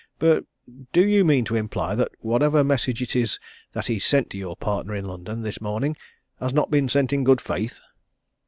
"But do you mean to imply that whatever message it is that he's sent to your partner in London this morning has not been sent in good faith?"